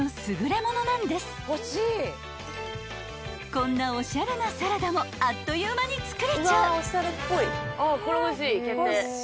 ［こんなおしゃれなサラダもあっという間に作れちゃう］